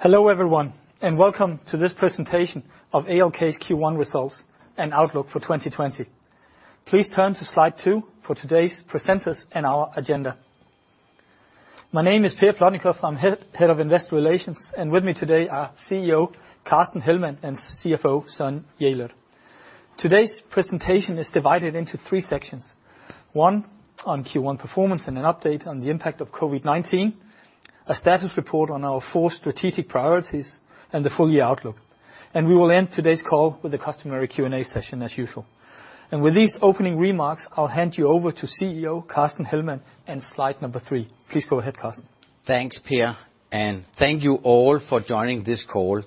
Hello everyone, and welcome to this presentation of ALK's Q1 results and outlook for 2020. Please turn to slide 2 for today's presenters and our agenda. My name is Per Plotnikof, and I'm head of investor relations, and with me today are CEO Carsten Hellmann and CFO Søren Jelert. Today's presentation is divided into three sections: one on Q1 performance and an update on the impact of COVID-19, a status report on our four strategic priorities, and the full year outlook. We will end today's call with a customary Q&A session, as usual. With these opening remarks, I'll hand you over to CEO Carsten Hellmann and slide number three. Please go ahead, Carsten. Thanks, Per, and thank you all for joining this call.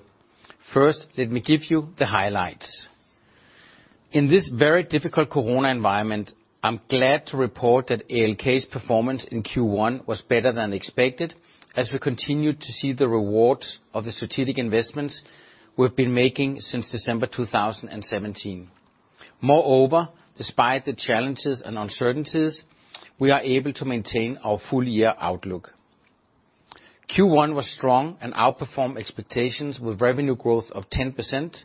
First, let me give you the highlights. In this very difficult corona environment, I'm glad to report that ALK's performance in Q1 was better than expected, as we continued to see the rewards of the strategic investments we've been making since December 2017. Moreover, despite the challenges and uncertainties, we are able to maintain our full year outlook. Q1 was strong and outperformed expectations, with revenue growth of 10%,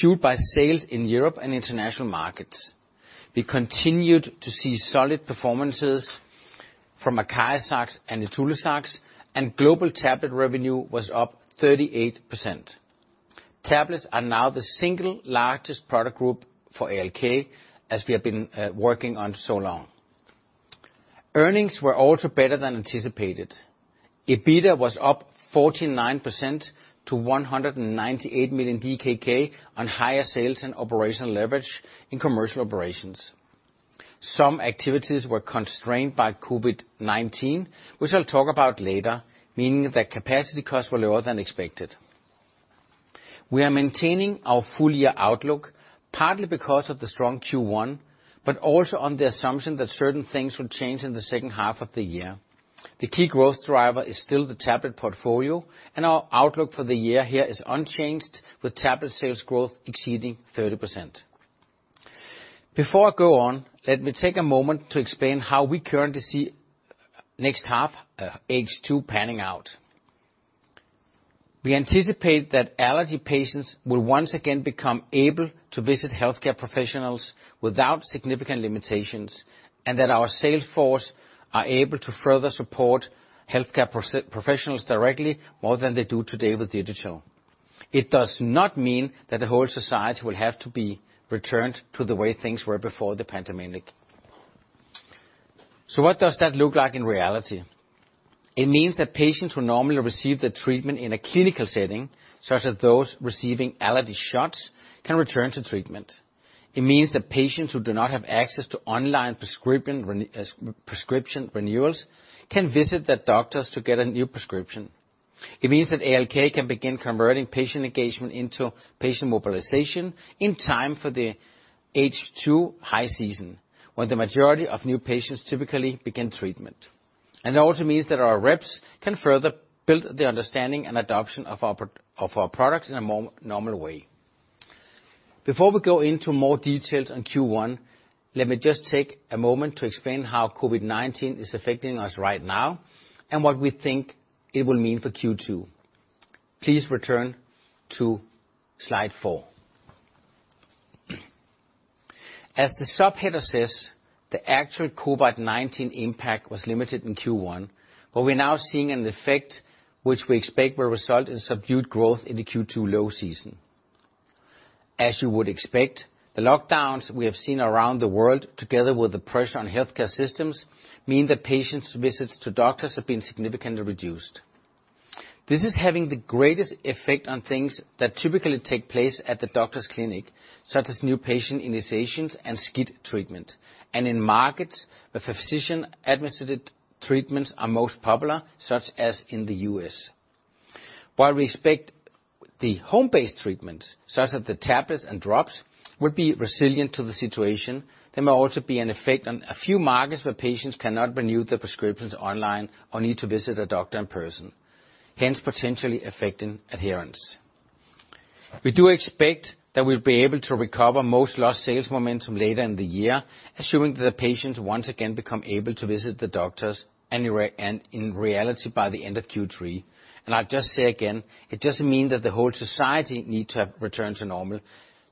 fueled by sales in Europe and international markets. We continued to see solid performances from ACARIZAX and ITULAZAX, and global tablet revenue was up 38%. Tablets are now the single largest product group for ALK, as we have been working on so long. Earnings were also better than anticipated. EBITDA was up 49% to 198 million DKK on higher sales and operational leverage in commercial operations. Some activities were constrained by COVID-19, which I'll talk about later, meaning that capacity costs were lower than expected. We are maintaining our full year outlook, partly because of the strong Q1, but also on the assumption that certain things will change in the second half of the year. The key growth driver is still the tablet portfolio, and our outlook for the year here is unchanged, with tablet sales growth exceeding 30%. Before I go on, let me take a moment to explain how we currently see next half H2 panning out. We anticipate that allergy patients will once again become able to visit healthcare professionals without significant limitations, and that our salesforce are able to further support healthcare professionals directly more than they do today with digital. It does not mean that the whole society will have to be returned to the way things were before the pandemic. So what does that look like in reality? It means that patients who normally receive their treatment in a clinical setting, such as those receiving allergy shots, can return to treatment. It means that patients who do not have access to online prescription renewals can visit their doctors to get a new prescription. It means that ALK can begin converting patient engagement into patient mobilization in time for the H2 high season, when the majority of new patients typically begin treatment. And it also means that our reps can further build the understanding and adoption of our products in a more normal way. Before we go into more details on Q1, let me just take a moment to explain how COVID-19 is affecting us right now and what we think it will mean for Q2. Please return to slide 4. As we had assessed, the actual COVID-19 impact was limited in Q1, but we're now seeing an effect which we expect will result in subdued growth in the Q2 low season. As you would expect, the lockdowns we have seen around the world, together with the pressure on healthcare systems, mean that patients' visits to doctors have been significantly reduced. This is having the greatest effect on things that typically take place at the doctor's clinic, such as new patient initiations and SCIT treatment, and in markets where physician-administered treatments are most popular, such as in the U.S.. While we expect the home-based treatments, such as the tablets and drops, will be resilient to the situation, there may also be an effect on a few markets where patients cannot renew their prescriptions online or need to visit a doctor in person, hence potentially affecting adherence. We do expect that we'll be able to recover most lost sales momentum later in the year, assuming that the patients once again become able to visit the doctors and in reality by the end of Q3. And I'll just say again, it doesn't mean that the whole society needs to return to normal,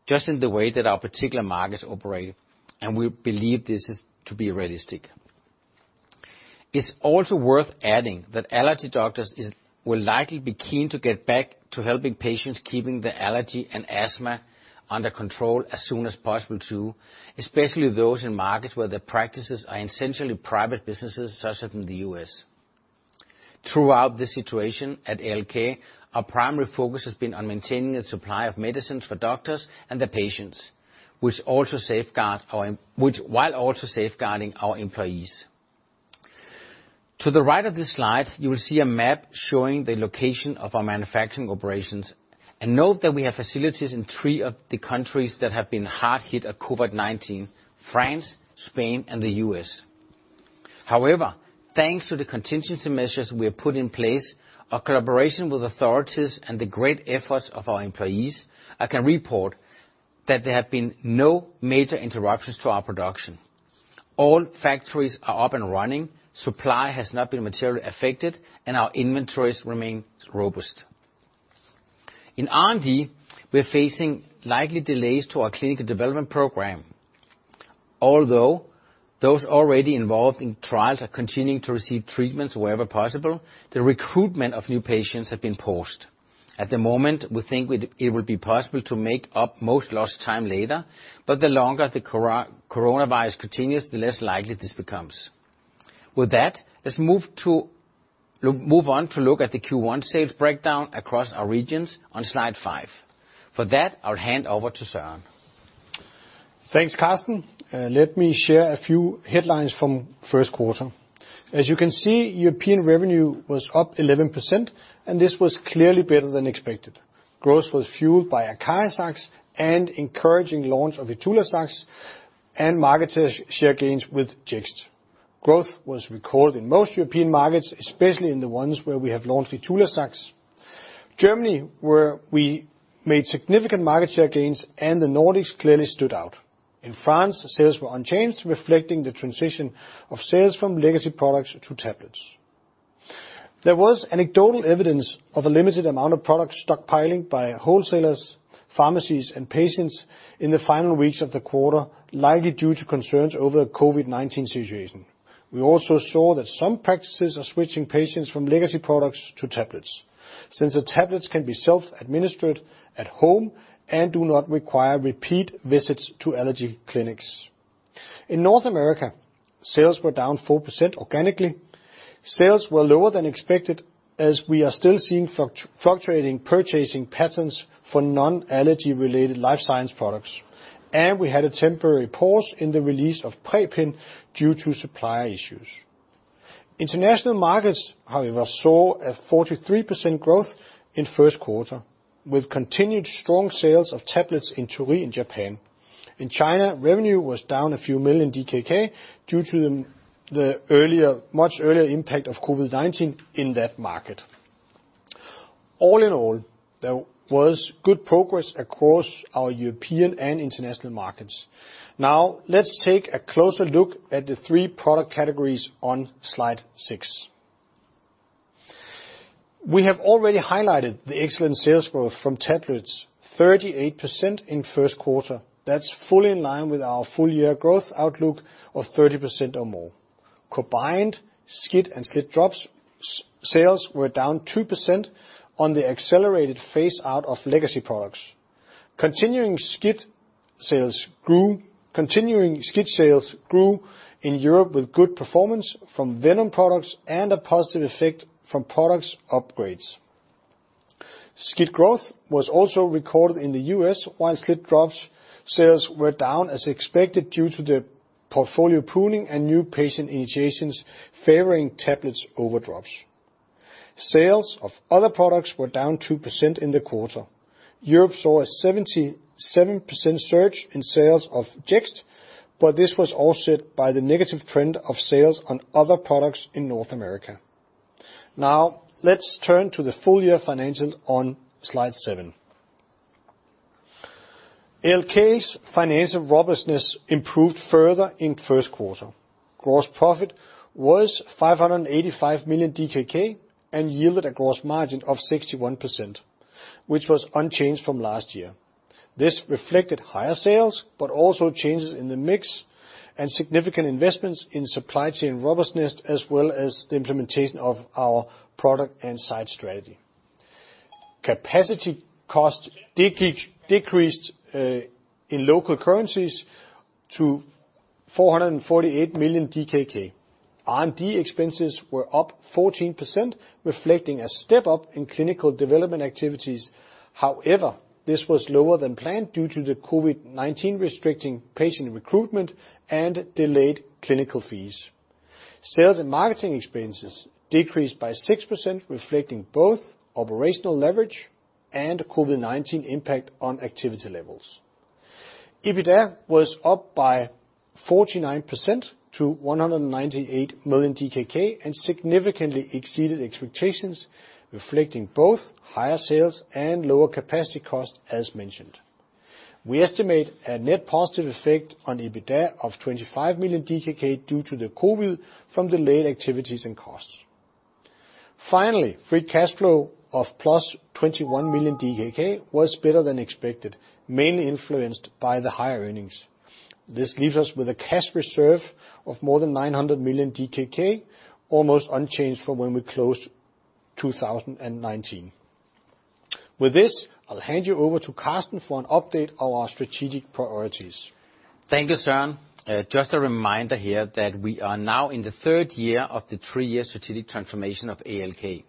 just in the way that our particular markets operate, and we believe this is to be realistic. It's also worth adding that allergy doctors will likely be keen to get back to helping patients keeping the allergy and asthma under control as soon as possible too, especially those in markets where their practices are essentially private businesses, such as in the U.S. Throughout this situation at ALK, our primary focus has been on maintaining the supply of medicines for doctors and their patients, which, while also safeguarding our employees. To the right of this slide, you will see a map showing the location of our manufacturing operations, and note that we have facilities in three of the countries that have been hard hit by COVID-19: France, Spain, and the U.S.. However, thanks to the contingency measures we have put in place, our collaboration with authorities, and the great efforts of our employees, I can report that there have been no major interruptions to our production. All factories are up and running, supply has not been materially affected, and our inventories remain robust. In R&D, we're facing likely delays to our clinical development program. Although those already involved in trials are continuing to receive treatments wherever possible, the recruitment of new patients has been paused. At the moment, we think it will be possible to make up most lost time later, but the longer the coronavirus continues, the less likely this becomes. With that, let's move on to look at the Q1 sales breakdown across our regions on slide 5. For that, I'll hand over to Søren. Thanks, Carsten. Let me share a few headlines from first quarter. As you can see, European revenue was up 11%, and this was clearly better than expected. Growth was fueled by ACARIZAX and encouraging launch of ITULAZAX and market share gains with Jext. Growth was recorded in most European markets, especially in the ones where we have launched ITULAZAX. Germany, where we made significant market share gains, and the Nordics clearly stood out. In France, sales were unchanged, reflecting the transition of sales from legacy products to tablets. There was anecdotal evidence of a limited amount of products stockpiling by wholesalers, pharmacies, and patients in the final weeks of the quarter, likely due to concerns over the COVID-19 situation. We also saw that some practices are switching patients from legacy products to tablets, since the tablets can be self-administered at home and do not require repeat visits to allergy clinics. In North America, sales were down 4% organically. Sales were lower than expected, as we are still seeing fluctuating purchasing patterns for non-allergy-related life science products, and we had a temporary pause in the release of Pre-Pen due to supplier issues. International markets, however, saw a 43% growth in first quarter, with continued strong sales of tablets in Torii and Japan. In China, revenue was down a few million DKK due to the much earlier impact of COVID-19 in that market. All in all, there was good progress across our European and international markets. Now, let's take a closer look at the three product categories on slide 6. We have already highlighted the excellent sales growth from tablets: 38% in first quarter. That's fully in line with our full year growth outlook of 30% or more. Combined, SCIT and SLIT drops sales were down 2% on the accelerated phase out of legacy products. Continuing SCIT sales grew in Europe with good performance from venom products and a positive effect from product upgrades. SCIT growth was also recorded in the U.S., while SLIT drops sales were down as expected due to the portfolio pruning and new patient initiations favoring tablets over drops. Sales of other products were down 2% in the quarter. Europe saw a 77% surge in sales of Jext, but this was offset by the negative trend of sales on other products in North America. Now, let's turn to the full year financial on slide 7. ALK's financial robustness improved further in first quarter. Gross profit was 585 million DKK and yielded a gross margin of 61%, which was unchanged from last year. This reflected higher sales, but also changes in the mix and significant investments in supply chain robustness, as well as the implementation of our product and site strategy. Capacity costs decreased in local currencies to 448 million DKK. R&D expenses were up 14%, reflecting a step up in clinical development activities. However, this was lower than planned due to the COVID-19 restricting patient recruitment and delayed clinical fees. Sales and marketing expenses decreased by 6%, reflecting both operational leverage and COVID-19 impact on activity levels. EBITDA was up by 49% to 198 million DKK and significantly exceeded expectations, reflecting both higher sales and lower capacity costs, as mentioned. We estimate a net positive effect on EBITDA of 25 million DKK due to the COVID from delayed activities and costs. Finally, free cash flow of +21 million DKK was better than expected, mainly influenced by the higher earnings. This leaves us with a cash reserve of more than 900 million DKK, almost unchanged from when we closed 2019. With this, I'll hand you over to Carsten for an update on our strategic priorities. Thank you, Søren. Just a reminder here that we are now in the third year of the three-year strategic transformation of ALK.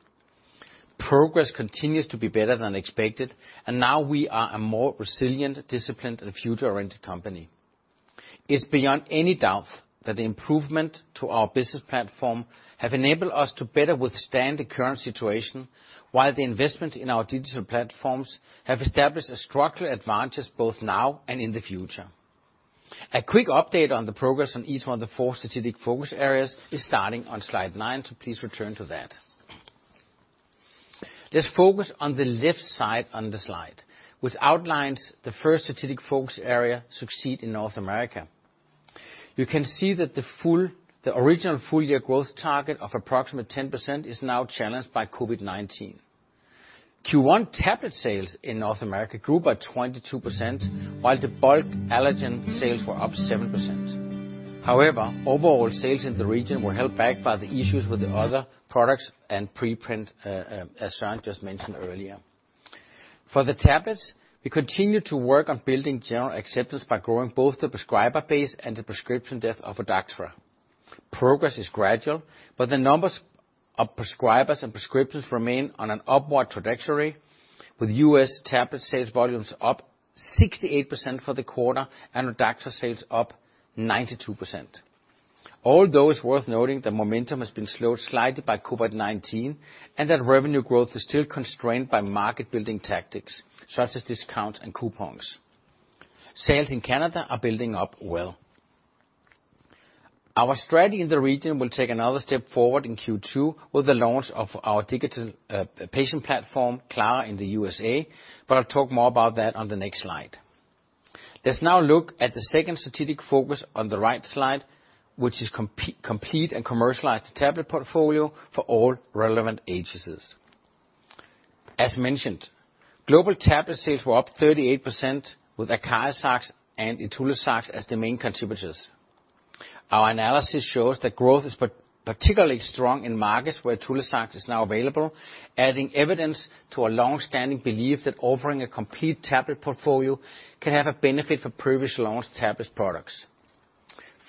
Progress continues to be better than expected, and now we are a more resilient, disciplined, and future-oriented company. It's beyond any doubt that the improvements to our business platform have enabled us to better withstand the current situation, while the investments in our digital platforms have established a structural advantage both now and in the future. A quick update on the progress on each one of the four strategic focus areas is starting on slide 9, so please return to that. Let's focus on the left side on the slide, which outlines the first strategic focus area: Succeed in North America. You can see that the original full year growth target of approximately 10% is now challenged by COVID-19. Q1 tablet sales in North America grew by 22%, while the bulk allergen sales were up 7%. However, overall sales in the region were held back by the issues with the other products and Pre-Pen, as Søren just mentioned earlier. For the tablets, we continue to work on building general acceptance by growing both the prescriber base and the prescription depth of ODACTRA. Progress is gradual, but the numbers of prescribers and prescriptions remain on an upward trajectory, with U.S. tablet sales volumes up 68% for the quarter and ODACTRA sales up 92%. Although it's worth noting that momentum has been slowed slightly by COVID-19 and that revenue growth is still constrained by market-building tactics, such as discounts and coupons. Sales in Canada are building up well. Our strategy in the region will take another step forward in Q2 with the launch of our digital patient platform, Klara, in the U.S.A, but I'll talk more about that on the next slide. Let's now look at the second strategic focus on the right slide, which is complete and commercialized tablet portfolio for all relevant allergies. As mentioned, global tablet sales were up 38%, with ACARIZAX and ITULAZAX as the main contributors. Our analysis shows that growth is particularly strong in markets where ITULAZAX is now available, adding evidence to our long-standing belief that offering a complete tablet portfolio can have a benefit for previously launched tablet products.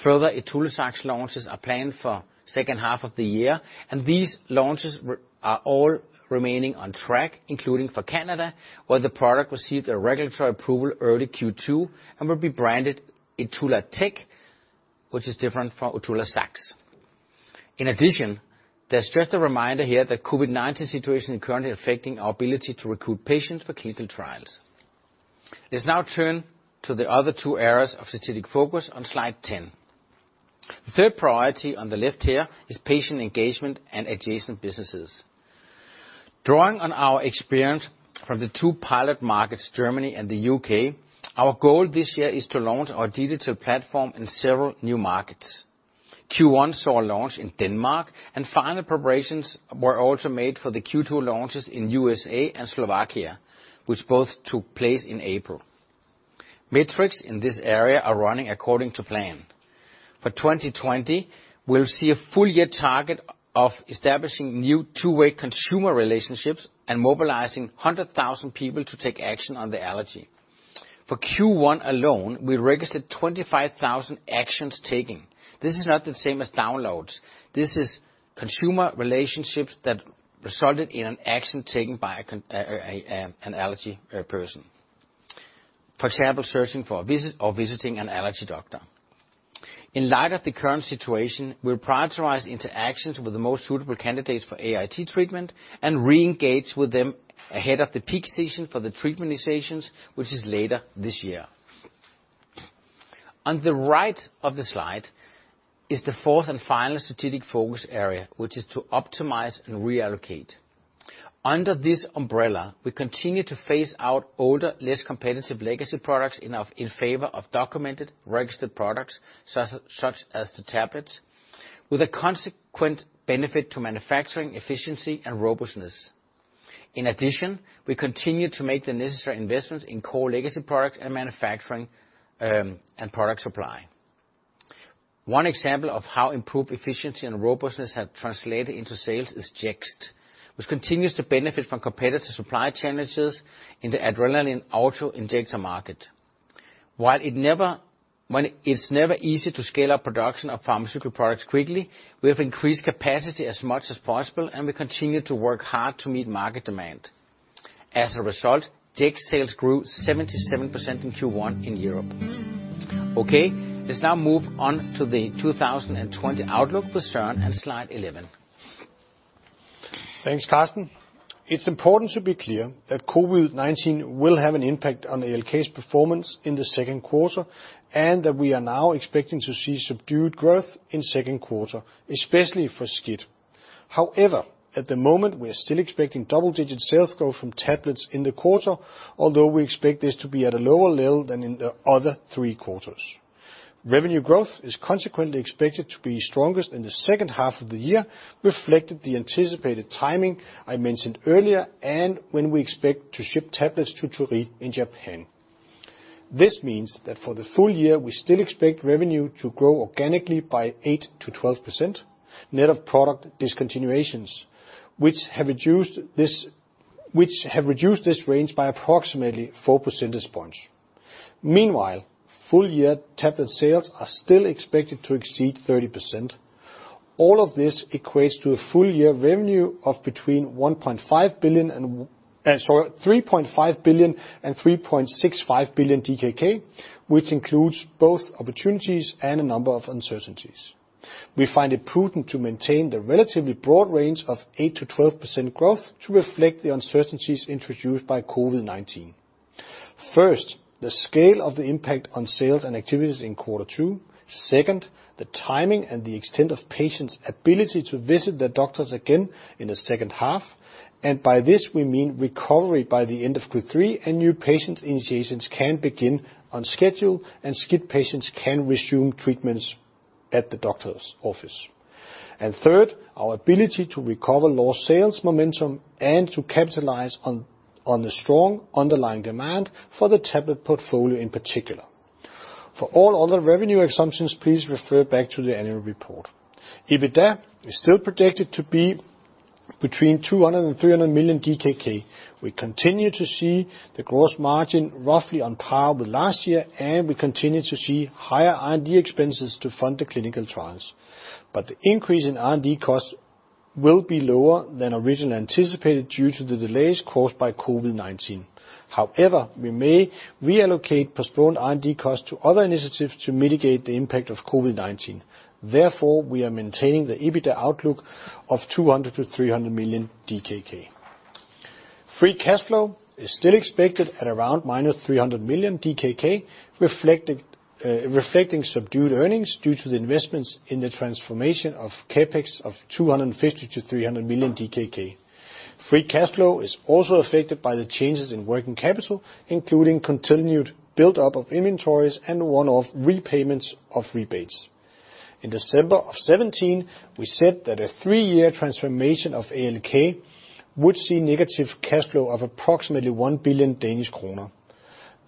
Further, ITULAZAX launches are planned for the second half of the year, and these launches are all remaining on track, including for Canada, where the product received a regulatory approval early Q2 and will be branded ITULATEK, which is different from ITULAZAX. In addition, there's just a reminder here that the COVID-19 situation is currently affecting our ability to recruit patients for clinical trials. Let's now turn to the other two areas of strategic focus on slide 10. The third priority on the left here is patient engagement and adjacent businesses. Drawing on our experience from the two pilot markets, Germany and the U.K., our goal this year is to launch our digital platform in several new markets. Q1 saw a launch in Denmark, and final preparations were also made for the Q2 launches in the U.S.A and Slovakia, which both took place in April. Metrics in this area are running according to plan. For 2020, we'll see a full year target of establishing new two-way consumer relationships and mobilizing 100,000 people to take action on the allergy. For Q1 alone, we registered 25,000 actions taken. This is not the same as downloads. This is consumer relationships that resulted in an action taken by an allergy person, for example, searching for or visiting an allergy doctor. In light of the current situation, we'll prioritize interactions with the most suitable candidates for AIT treatment and re-engage with them ahead of the peak season for the treatment initiations, which is later this year. On the right of the slide is the fourth and final strategic focus area, which is to optimize and reallocate. Under this umbrella, we continue to phase out older, less competitive legacy products in favor of documented, registered products, such as the tablets, with a consequent benefit to manufacturing efficiency and robustness. In addition, we continue to make the necessary investments in core legacy products and manufacturing and product supply. One example of how improved efficiency and robustness have translated into sales is Jext, which continues to benefit from competitive supply challenges in the adrenaline auto-injector market. When it's never easy to scale up production of pharmaceutical products quickly, we have increased capacity as much as possible, and we continue to work hard to meet market demand. As a result, Jext sales grew 77% in Q1 in Europe. Okay, let's now move on to the 2020 outlook with Søren and slide 11. Thanks, Carsten. It's important to be clear that COVID-19 will have an impact on ALK's performance in the second quarter and that we are now expecting to see subdued growth in the second quarter, especially for SCIT. However, at the moment, we are still expecting double-digit sales growth from tablets in the quarter, although we expect this to be at a lower level than in the other three quarters. Revenue growth is consequently expected to be strongest in the second half of the year, reflecting the anticipated timing I mentioned earlier and when we expect to ship tablets to Torii in Japan. This means that for the full year, we still expect revenue to grow organically by 8%-12% net of product discontinuations, which have reduced this range by approximately 4 percentage points. Meanwhile, full year tablet sales are still expected to exceed 30%. All of this equates to a full year revenue of between 3.5 billion and 3.65 billion DKK, which includes both opportunities and a number of uncertainties. We find it prudent to maintain the relatively broad range of 8%-12% growth to reflect the uncertainties introduced by COVID-19. First, the scale of the impact on sales and activities in quarter two. Second, the timing and the extent of patients' ability to visit their doctors again in the second half. And by this, we mean recovery by the end of Q3, and new patient initiations can begin on schedule, and SCIT patients can resume treatments at the doctor's office. And third, our ability to recover lost sales momentum and to capitalize on the strong underlying demand for the tablet portfolio in particular. For all other revenue exemptions, please refer back to the annual report. EBITDA is still projected to be between 200 million and 300 million DKK. We continue to see the gross margin roughly on par with last year, and we continue to see higher R&D expenses to fund the clinical trials. But the increase in R&D costs will be lower than originally anticipated due to the delays caused by COVID-19. However, we may reallocate postponed R&D costs to other initiatives to mitigate the impact of COVID-19. Therefore, we are maintaining the EBITDA outlook of 200 million-300 million DKK. Free cash flow is still expected at around -300 million DKK, reflecting subdued earnings due to the investments in the transformation of CapEx of 250 million-300 million DKK. Free cash flow is also affected by the changes in working capital, including continued build-up of inventories and one-off repayments of rebates. In December of 2017, we said that a three-year transformation of ALK would see negative cash flow of approximately 1 billion Danish kroner.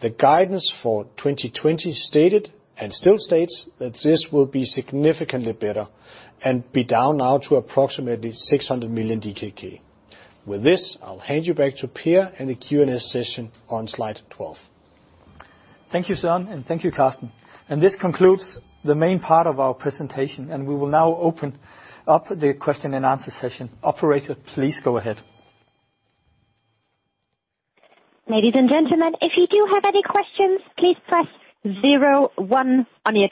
The guidance for 2020 stated and still states that this will be significantly better and be down now to approximately 600 million DKK. With this, I'll hand you back to Per and the Q&A session on slide 12. Thank you, Søren, and thank you, Carsten. This concludes the main part of our presentation, and we will now open up the question and answer session. Operator, please go ahead. Ladies and gentlemen, if you do have any questions, please press 01 on your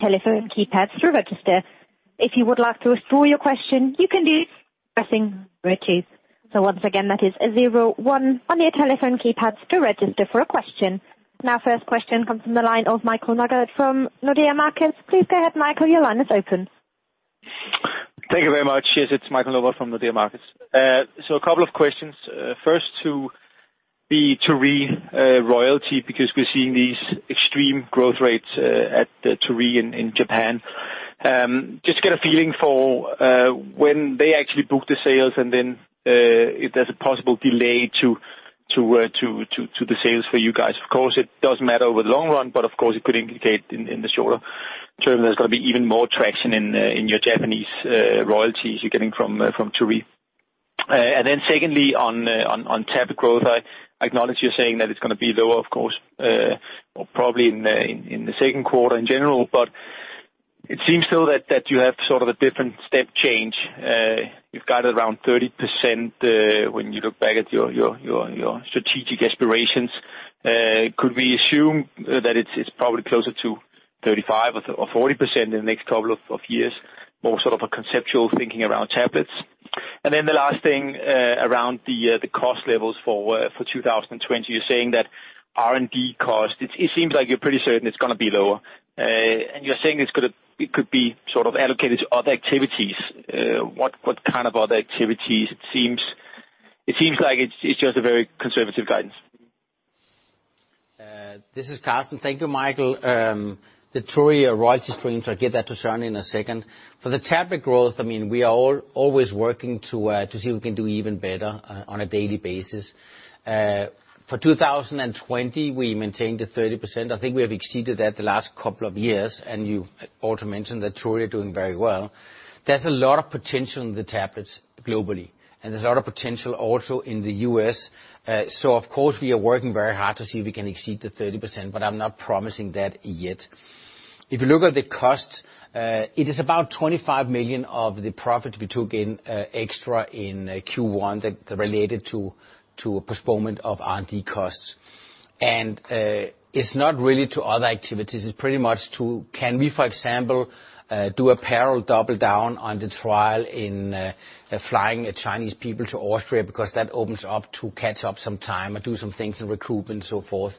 telephone keypad to register. If you would like to withdraw your question, you can do so by pressing 1. So once again, that is 01 on your telephone keypad to register for a question. Now, first question comes from the line of Michael Novod from Nordea Markets. Please go ahead, Michael, your line is open. Thank you very much. Yes, it's Michael Novod from Nordea Markets, so a couple of questions. First, to the Torii royalty, because we're seeing these extreme growth rates at Torii in Japan. Just get a feeling for when they actually book the sales, and then if there's a possible delay to the sales for you guys. Of course, it does matter over the long run, but of course, it could indicate in the shorter term there's going to be even more traction in your Japanese royalties you're getting from Torii. And then secondly, on tablet growth, I acknowledge you're saying that it's going to be lower, of course, probably in the second quarter in general, but it seems still that you have sort of a different step change. You've got it around 30% when you look back at your strategic aspirations. Could we assume that it's probably closer to 35% or 40% in the next couple of years, more sort of a conceptual thinking around tablets? And then the last thing around the cost levels for 2020, you're saying that R&D cost, it seems like you're pretty certain it's going to be lower. And you're saying it could be sort of allocated to other activities. What kind of other activities? It seems like it's just a very conservative guidance. This is Carsten. Thank you, Michael. The Torii royalty streams, I'll get that to Søren in a second. For the tablet growth, I mean, we are always working to see if we can do even better on a daily basis. For 2020, we maintained the 30%. I think we have exceeded that the last couple of years, and you also mentioned that Torii are doing very well. There's a lot of potential in the tablets globally, and there's a lot of potential also in the U.S.. So of course, we are working very hard to see if we can exceed the 30%, but I'm not promising that yet. If you look at the cost, it is about 25 million of the profit we took in extra in Q1 that related to postponement of R&D costs. It's not really to other activities. It's pretty much, can we, for example, do a parallel double down on the trial in flying Chinese people to Austria because that opens up to catch up some time and do some things and recruitment and so forth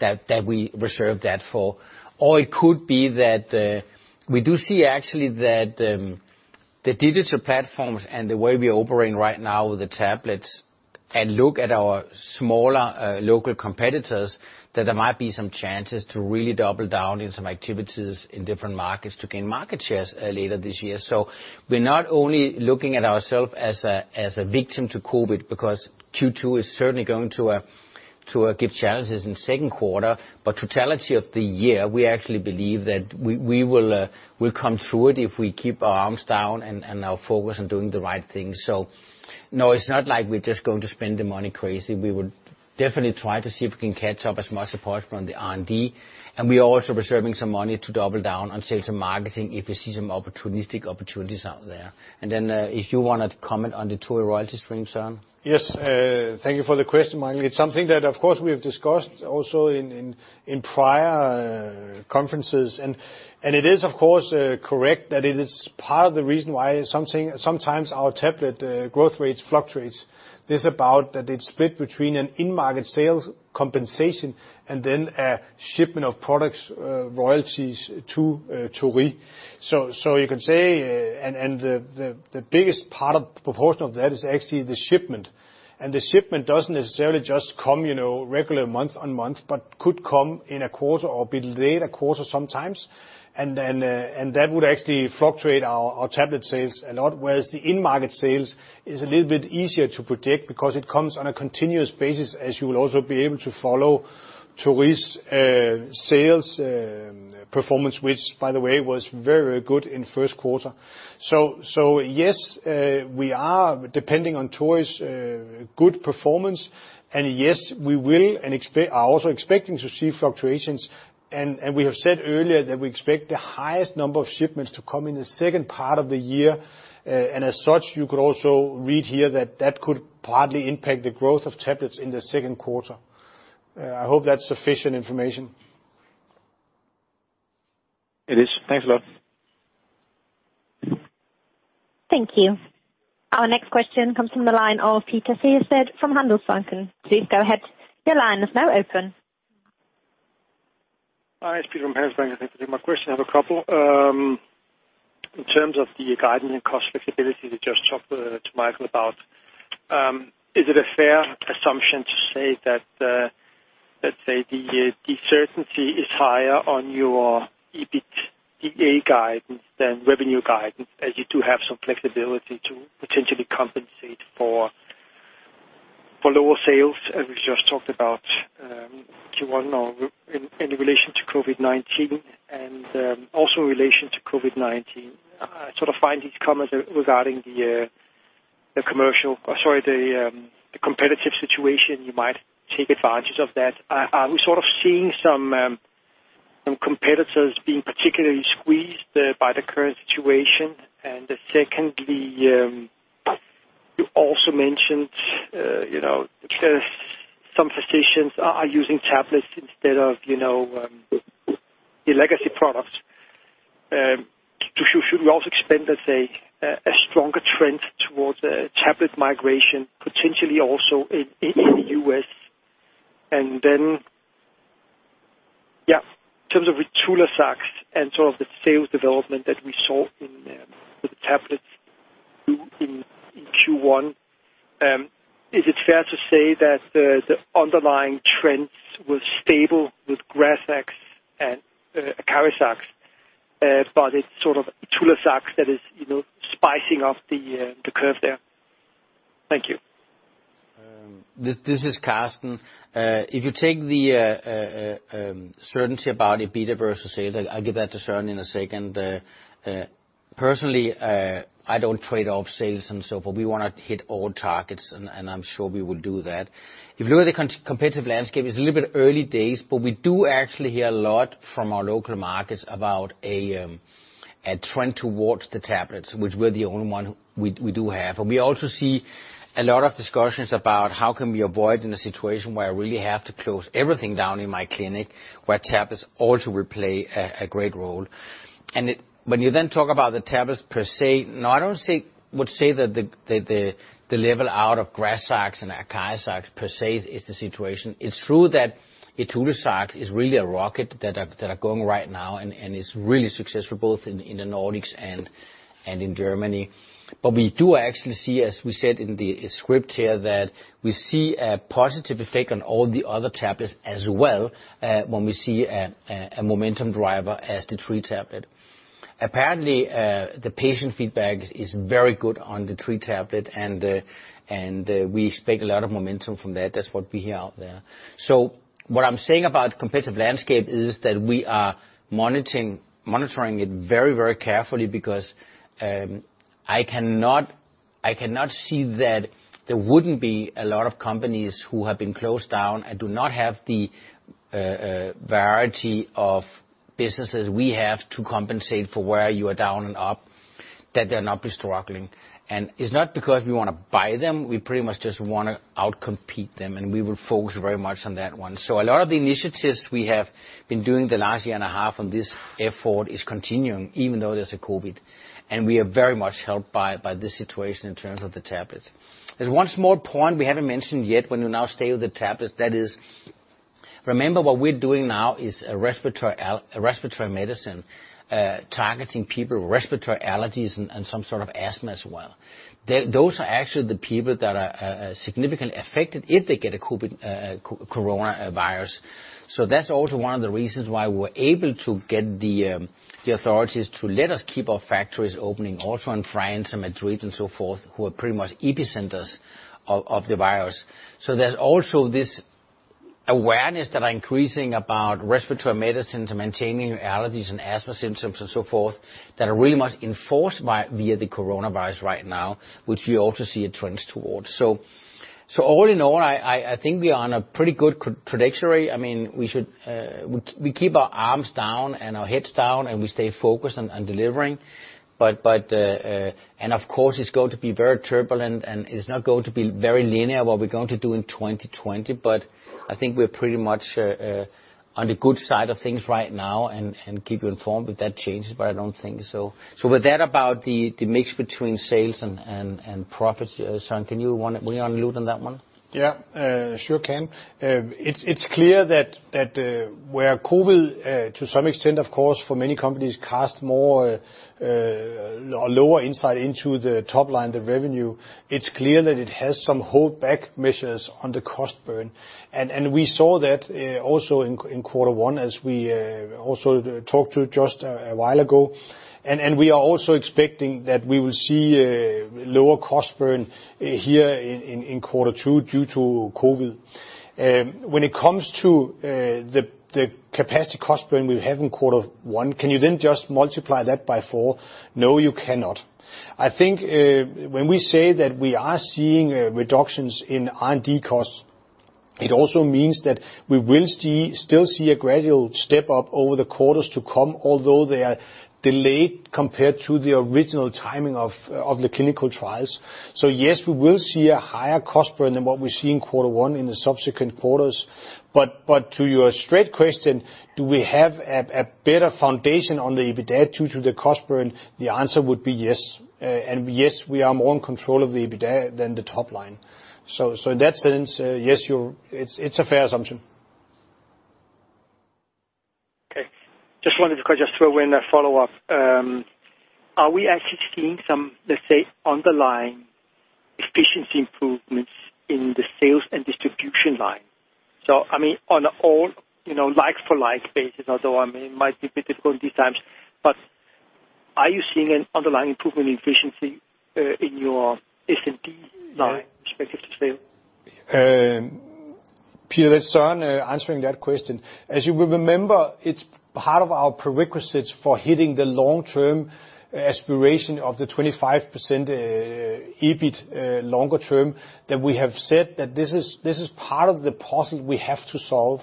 that we reserve that for? Or it could be that we do see actually that the digital platforms and the way we're operating right now with the tablets and look at our smaller local competitors, that there might be some chances to really double down in some activities in different markets to gain market shares later this year. So we're not only looking at ourselves as a victim to COVID because Q2 is certainly going to give challenges in the second quarter, but totality of the year, we actually believe that we will come through it if we keep our arms down and our focus on doing the right thing. So, no, it's not like we're just going to spend the money crazy. We would definitely try to see if we can catch up as much as possible on the R&D. And we are also reserving some money to double down on sales and marketing if we see some opportunistic opportunities out there. And then, if you want to comment on the Torii royalty stream, Søren. Yes, thank you for the question, Michael. It's something that, of course, we've discussed also in prior conferences. And it is, of course, correct that it is part of the reason why sometimes our tablet growth rates fluctuate. This is about that it's split between an in-market sales compensation and then a shipment of products royalties to Torii. So you can say, and the biggest part of proportion of that is actually the shipment. And the shipment doesn't necessarily just come regular month on month, but could come in a quarter or be delayed a quarter sometimes. And then that would actually fluctuate our tablet sales a lot, whereas the in-market sales is a little bit easier to predict because it comes on a continuous basis, as you will also be able to follow Torii's sales performance, which, by the way, was very, very good in the first quarter. So yes, we are, depending on Torii's good performance, and yes, we will, and are also expecting to see fluctuations. And we have said earlier that we expect the highest number of shipments to come in the second part of the year. And as such, you could also read here that that could partly impact the growth of tablets in the second quarter. I hope that's sufficient information. It is. Thanks a lot. Thank you. Our next question comes from the line of Peter Sehested from Handelsbanken. Please go ahead. Your line is now open. Hi, it's Peter from Handelsbanken. Thank you for my question. I have a couple. In terms of the guidance and cost flexibility that you just talked to Michael about, is it a fair assumption to say that, let's say, the certainty is higher on your EBITDA guidance than revenue guidance, as you do have some flexibility to potentially compensate for lower sales as we just talked about Q1 in relation to COVID-19 and also in relation to COVID-19? I sort of find these comments regarding the commercial, sorry, the competitive situation, you might take advantage of that. Are we sort of seeing some competitors being particularly squeezed by the current situation? And secondly, you also mentioned some physicians are using tablets instead of the legacy products. Should we also expect, let's say, a stronger trend towards tablet migration, potentially also in the U.S.? And then, yeah, in terms of the ITULAZAX and sort of the sales development that we saw with the tablets in Q1, is it fair to say that the underlying trends were stable with GRAZAX and ACARIZAX, but it's sort of ITULAZAX that is spicing up the curve there? Thank you. This is Carsten. If you take the certainty about EBITDA versus sales, I'll give that to Søren in a second. Personally, I don't trade up sales and so forth. We want to hit all targets, and I'm sure we will do that. If you look at the competitive landscape, it's a little bit early days, but we do actually hear a lot from our local markets about a trend towards the tablets, which we're the only one we do have. And we also see a lot of discussions about how can we avoid in a situation where I really have to close everything down in my clinic, where tablets also will play a great role. And when you then talk about the tablets per se, no, I don't say would say that the level out of GRAZAX and ACARIZAX per se is the situation. It's true that ITULAZAX is really a rocket that are going right now, and it's really successful both in the Nordics and in Germany. But we do actually see, as we said in the script here, that we see a positive effect on all the other tablets as well when we see a momentum driver as the tree tablet. Apparently, the patient feedback is very good on the tree tablet, and we expect a lot of momentum from that. That's what we hear out there. So what I'm saying about the competitive landscape is that we are monitoring it very, very carefully because I cannot see that there wouldn't be a lot of companies who have been closed down and do not have the variety of businesses we have to compensate for where you are down and up, that they're not struggling. And it's not because we want to buy them. We pretty much just want to outcompete them, and we will focus very much on that one. So a lot of the initiatives we have been doing the last year and a half on this effort is continuing, even though there's a COVID. And we are very much helped by this situation in terms of the tablets. There's one small point we haven't mentioned yet when you now stay with the tablets, that is, remember what we're doing now is respiratory medicine targeting people with respiratory allergies and some sort of asthma as well. Those are actually the people that are significantly affected if they get a COVID coronavirus. So that's also one of the reasons why we were able to get the authorities to let us keep our factories opening also in France and Madrid and so forth, who are pretty much epicenters of the virus. So there's also this awareness that are increasing about respiratory medicine to maintaining allergies and asthma symptoms and so forth that are really much enforced via the coronavirus right now, which we also see a trend towards. So all in all, I think we are on a pretty good trajectory. I mean, we keep our arms down and our heads down, and we stay focused on delivering. Of course, it's going to be very turbulent, and it's not going to be very linear what we're going to do in 2020, but I think we're pretty much on the good side of things right now and keep you informed of those changes, but I don't think so. With that, about the mix between sales and profits, Søren, do you want to elaborate on that one? Yeah, sure can. It's clear that where COVID, to some extent, of course, for many companies cast more or lower insight into the top line, the revenue, it's clear that it has some holdback measures on the cost burn, and we saw that also in quarter one as we also talked to just a while ago, and we are also expecting that we will see lower cost burn here in quarter two due to COVID. When it comes to the capacity cost burn we have in quarter one, can you then just multiply that by four? No, you cannot. I think when we say that we are seeing reductions in R&D costs, it also means that we will still see a gradual step up over the quarters to come, although they are delayed compared to the original timing of the clinical trials. So yes, we will see a higher cost burn than what we see in quarter one in the subsequent quarters. But to your straight question, do we have a better foundation on the EBITDA due to the cost burn? The answer would be yes. And yes, we are more in control of the EBITDA than the top line. So in that sense, yes, it's a fair assumption. Okay. Just wanted to throw in a follow-up. Are we actually seeing some, let's say, underlying efficiency improvements in the sales and distribution line? So I mean, on an all like-for-like basis, although I mean, it might be a bit difficult these times, but are you seeing an underlying improvement in efficiency in your S&P line respective to sales? Peter it's Søren answering that question. As you will remember, it's part of our prerequisites for hitting the long-term aspiration of the 25% EBIT longer term that we have said that this is part of the puzzle we have to solve.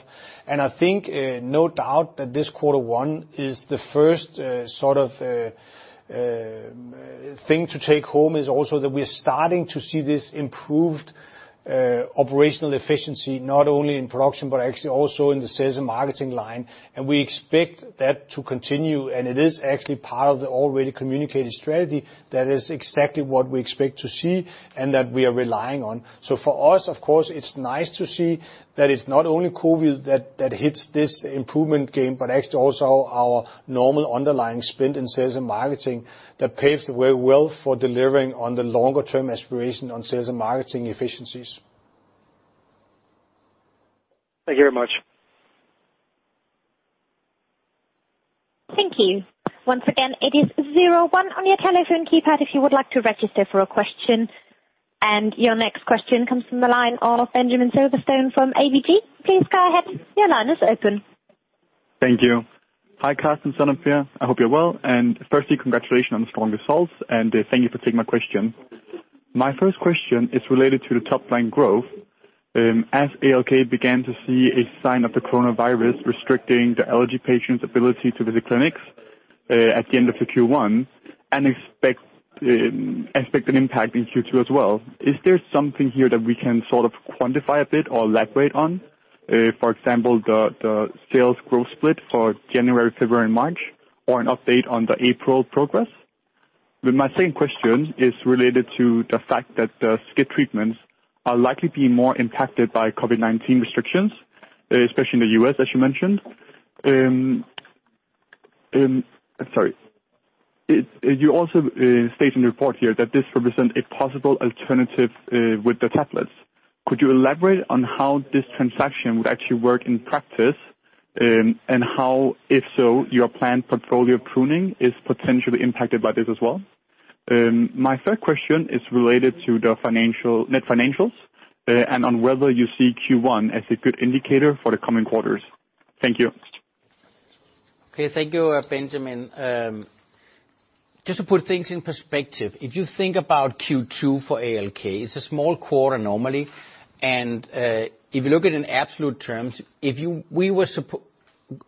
I think no doubt that this quarter one is the first sort of thing to take home is also that we are starting to see this improved operational efficiency, not only in production, but actually also in the sales and marketing line. We expect that to continue, and it is actually part of the already communicated strategy that is exactly what we expect to see and that we are relying on. So for us, of course, it's nice to see that it's not only COVID that hits this improvement game, but actually also our normal underlying spend in sales and marketing that paves the way well for delivering on the longer-term aspiration on sales and marketing efficiencies. Thank you very much. Thank you. Once again, it is 01 on your telephone keypad if you would like to register for a question, and your next question comes from the line of Benjamin Silverstone from ABG. Please go ahead. Your line is open. Thank you. Hi, Carsten, Søren, and Per. I hope you're well. And firstly, congratulations on the strong results, and thank you for taking my question. My first question is related to the top line growth. As ALK began to see a sign of the coronavirus restricting the allergy patients' ability to visit clinics at the end of Q1, I expect an impact in Q2 as well. Is there something here that we can sort of quantify a bit or elaborate on? For example, the sales growth split for January, February, and March, or an update on the April progress? My second question is related to the fact that the SCIT treatments are likely being more impacted by COVID-19 restrictions, especially in the U.S., as you mentioned. Sorry. You also state in the report here that this represents a possible alternative with the tablets. Could you elaborate on how this transaction would actually work in practice and how, if so, your planned portfolio pruning is potentially impacted by this as well? My third question is related to the net financials and on whether you see Q1 as a good indicator for the coming quarters. Thank you. Okay. Thank you, Benjamin. Just to put things in perspective, if you think about Q2 for ALK, it's a small quarter normally. And if you look at it in absolute terms, if we were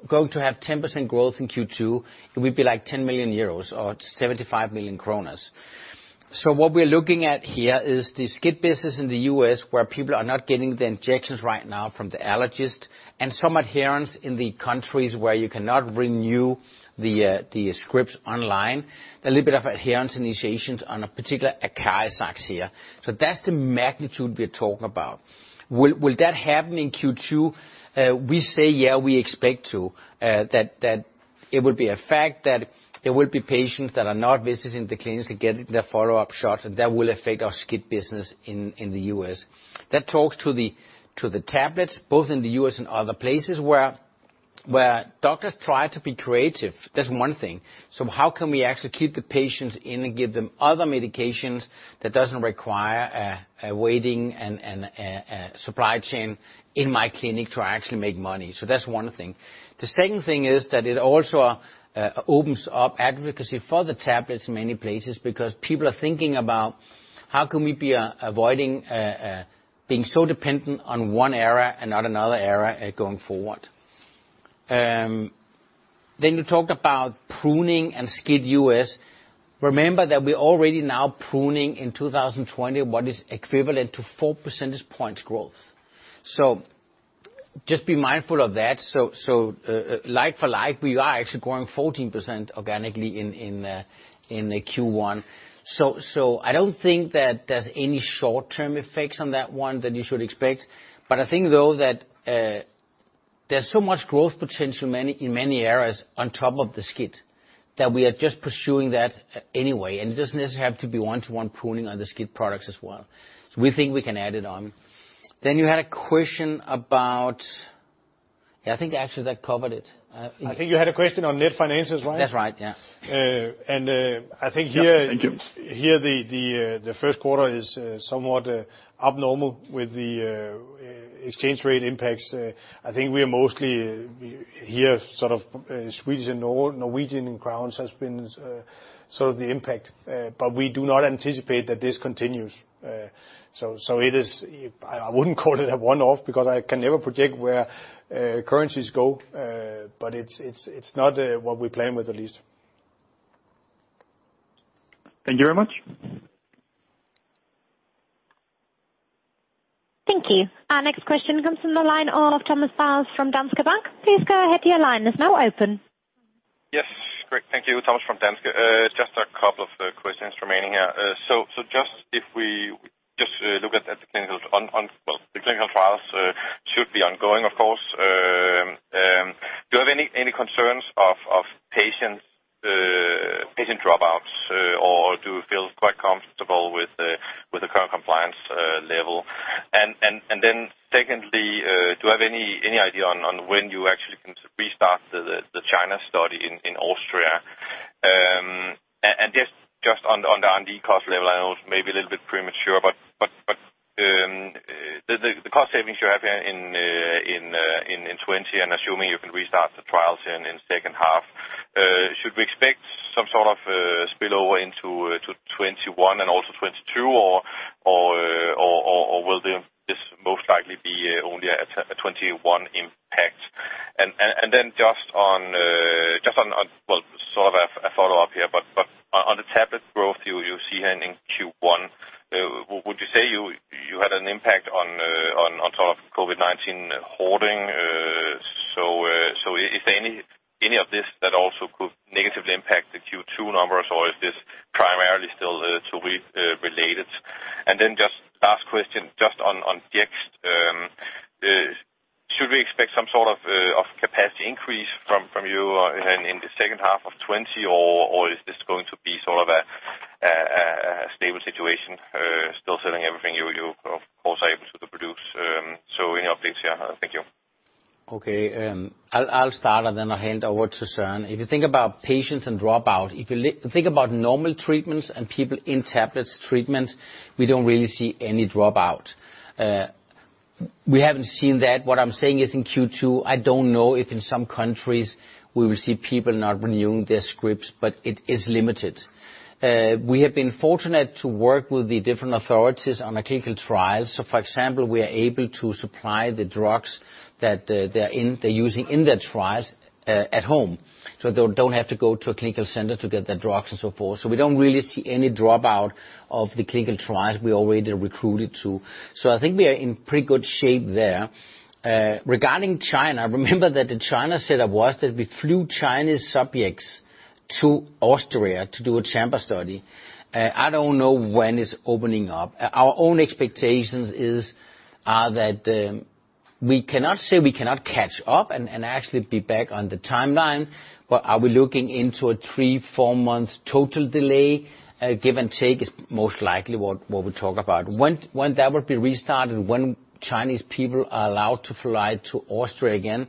going to have 10% growth in Q2, it would be like 10 million euros or 75 million kroner. So what we're looking at here is the SCIT business in the U.S., where people are not getting the injections right now from the allergist, and some adherence in the countries where you cannot renew the scripts online, a little bit of adherence initiations on a particular ACARIZAX here. So that's the magnitude we're talking about. Will that happen in Q2? We say, yeah, we expect to, that it will be a fact that there will be patients that are not visiting the clinics to get their follow-up shots, and that will affect our SCIT business in the U.S. That talks to the tablets, both in the U.S. and other places where doctors try to be creative. That's one thing. So how can we actually keep the patients in and give them other medications that don't require a waiting and supply chain in my clinic to actually make money? So that's one thing. The second thing is that it also opens up advocacy for the tablets in many places because people are thinking about how can we be avoiding being so dependent on one area and not another area going forward. Then you talked about pruning and SCIT U.S. Remember that we're already now pruning in 2020 what is equivalent to 4 percentage points growth. So just be mindful of that. So like for like, we are actually growing 14% organically in Q1. So I don't think that there's any short-term effects on that one that you should expect. But I think, though, that there's so much growth potential in many areas on top of the SCIT that we are just pursuing that anyway. And it doesn't necessarily have to be one-to-one pruning on the SCIT products as well. So we think we can add it on. Then you had a question about yeah, I think actually that covered it. I think you had a question on net finances, right? That's right, yeah. I think here. Thank you. Here, the first quarter is somewhat abnormal with the exchange rate impacts. I think we are mostly here sort of Swedish and Norwegian crowns has been sort of the impact, but we do not anticipate that this continues. So I wouldn't call it a one-off because I can never predict where currencies go, but it's not what we plan with the least. Thank you very much. Thank you. Our next question comes from the line of Thomas Bowers from Danske Bank. Please go ahead to your line. It's now open. Yes. Great. Thank you, Thomas from Danske. Just a couple of questions remaining here. So just if we just look at the clinical trials should be ongoing, of course. Do you have any concerns of patient dropouts, or do you feel quite comfortable with the current compliance level? And then secondly, do you have any idea on when you actually can restart the China study in Austria? And just on the R&D cost level, I know it's maybe a little bit premature, but the cost savings you have here in 2020, and assuming you can restart the trials in the second half, should we expect some sort of spillover into 2021 and also 2022, or will this most likely be only a 2021 impact? And then just on, well, sort of a follow-up here, but on the tablet growth you see here in Q1, would you say you had an impact on sort of COVID-19 hoarding? So is there any of this that also could negatively impact the Q2 numbers, or is this primarily still Torii related? And then just last question, just on Jext, should we expect some sort of capacity increase from you in the second half of 2020, or is this going to be sort of a stable situation, still selling everything you are able to produce? So any updates here? Thank you. Okay. I'll start, and then I'll hand over to Søren. If you think about patients and dropout, if you think about normal treatments and people in tablets treatment, we don't really see any dropout. We haven't seen that. What I'm saying is in Q2, I don't know if in some countries we will see people not renewing their scripts, but it is limited. We have been fortunate to work with the different authorities on a clinical trial. So for example, we are able to supply the drugs that they're using in their trials at home. So they don't have to go to a clinical center to get their drugs and so forth. So we don't really see any dropout of the clinical trials we already recruited to. So I think we are in pretty good shape there. Regarding China, remember that the China setup was that we flew Chinese subjects to Austria to do a chamber study. I don't know when it's opening up. Our own expectations are that we cannot say we cannot catch up and actually be back on the timeline, but are we looking into a three- to four-month total delay? Give or take is most likely what we talk about. When that would be restarted, when Chinese people are allowed to fly to Austria again,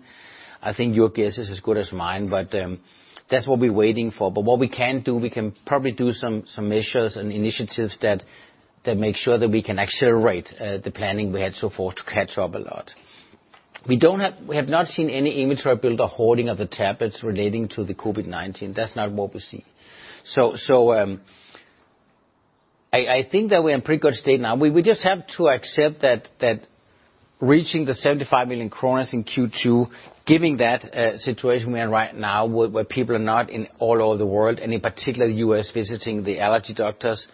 I think your guess is as good as mine, but that's what we're waiting for. But what we can do, we can probably do some measures and initiatives that make sure that we can accelerate the planning we had so far to catch up a lot. We have not seen any inventory build or hoarding of the tablets relating to the COVID-19. That's not what we see. I think that we're in pretty good state now. We just have to accept that reaching the 75 million kroner in Q2, given that situation we are in right now where people are not all over the world, and in particular, the U.S. visiting the allergy doctors,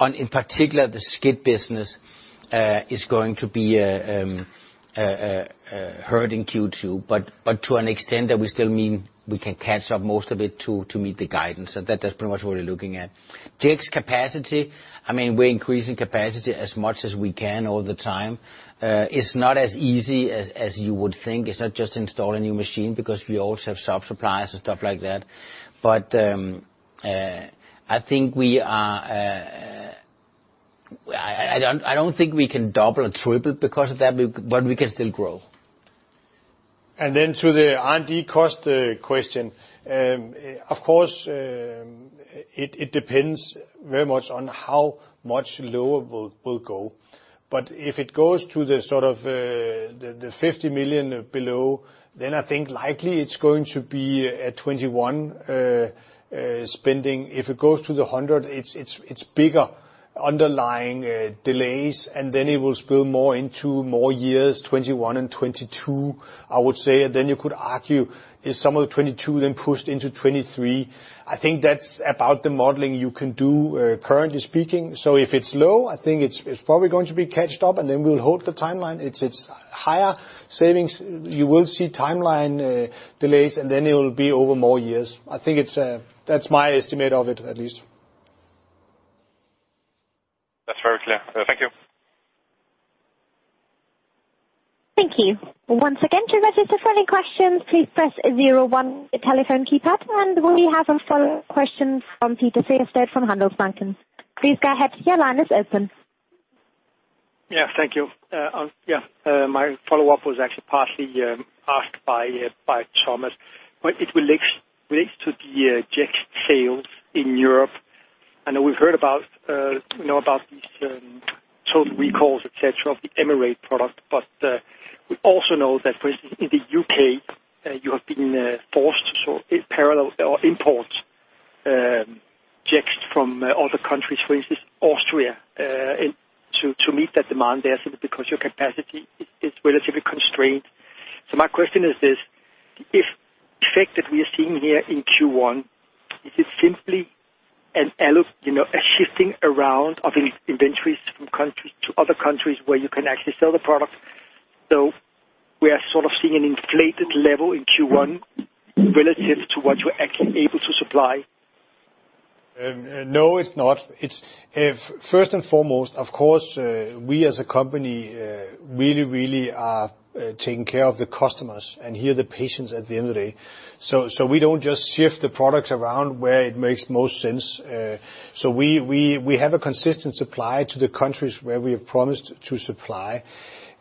and in particular, the SCIT business is going to be hurt in Q2. But to an extent that we still mean we can catch up most of it to meet the guidance. So that's pretty much what we're looking at. Jext capacity, I mean, we're increasing capacity as much as we can all the time. It's not as easy as you would think. It's not just installing a new machine because we also have sub-suppliers and stuff like that. But I think I don't think we can double or triple because of that, but we can still grow. To the R&D cost question, of course, it depends very much on how much lower we'll go. But if it goes to the sort of the 50 million below, then I think likely it's going to be a 2021 spending. If it goes to the 100 million, it's bigger underlying delays, and then it will spill more into more years, 2021 and 2022, I would say. And then you could argue if some of the 2022 then pushed into 2023. I think that's about the modeling you can do currently speaking. So if it's low, I think it's probably going to be caught up, and then we'll hold the timeline. It's higher savings. You will see timeline delays, and then it will be over more years. I think that's my estimate of it at least. That's very clear. Thank you. Thank you. Once again, to register for any questions, please press 01 on the telephone keypad. And we have a follow-up question from Peter Sehested from Handelsbanken. Please go ahead. Your line is open. Yeah. Thank you. Yeah. My follow-up was actually partly asked by Thomas. It relates to the Jext sales in Europe. I know we've heard about these total recalls, etc., of the Emerade product, but we also know that, for instance, in the U.K., you have been forced to sort of parallel or import Jext from other countries, for instance, Austria, to meet that demand there simply because your capacity is relatively constrained. So my question is this: the effect that we are seeing here in Q1, is it simply a shifting around of inventories from other countries where you can actually sell the product? So we are sort of seeing an inflated level in Q1 relative to what you're actually able to supply? No, it's not. First and foremost, of course, we as a company really, really are taking care of the customers and here the patients at the end of the day. So we don't just shift the products around where it makes most sense. So we have a consistent supply to the countries where we have promised to supply.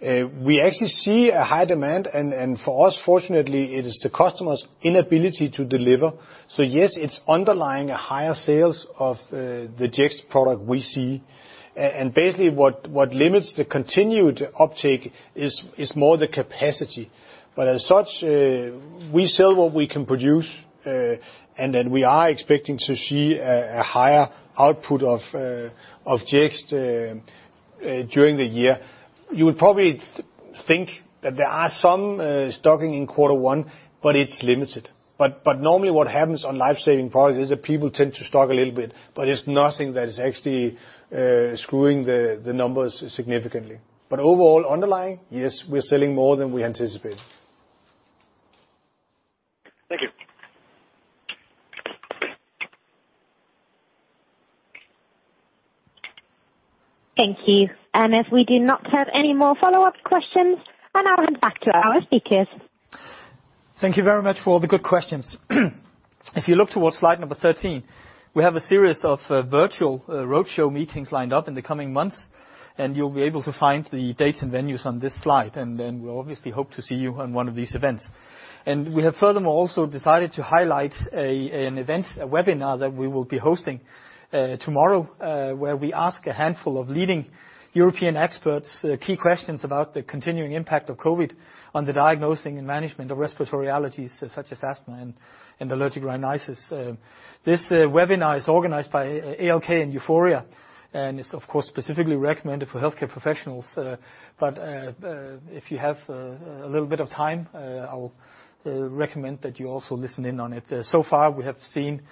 We actually see a high demand, and for us, fortunately, it is the customer's inability to deliver. So yes, it's underlying a higher sales of the Jext product we see. And basically, what limits the continued uptake is more the capacity. But as such, we sell what we can produce, and then we are expecting to see a higher output of Jext during the year. You would probably think that there are some stocking in quarter one, but it's limited. But normally, what happens on life-saving products is that people tend to stock a little bit, but it's nothing that is actually screwing the numbers significantly. But overall, underlying, yes, we're selling more than we anticipated. Thank you, and if we do not have any more follow-up questions, I'll hand back to our speakers. Thank you very much for all the good questions. If you look towards slide number 13, we have a series of virtual roadshow meetings lined up in the coming months, and you'll be able to find the dates and venues on this slide, and then we obviously hope to see you on one of these events, and we have furthermore also decided to highlight an event, a webinar that we will be hosting tomorrow, where we ask a handful of leading European experts key questions about the continuing impact of COVID on the diagnosing and management of respiratory allergies such as asthma and allergic rhinitis. This webinar is organized by ALK and EUFOREA, and it's, of course, specifically recommended for healthcare professionals, but if you have a little bit of time, I'll recommend that you also listen in on it. So far, we have seen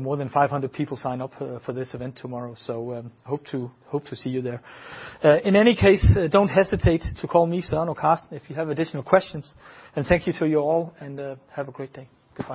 more than 500 people sign up for this event tomorrow. So hope to see you there. In any case, don't hesitate to call me, Søren or Carsten, if you have additional questions. And thank you to you all, and have a great day.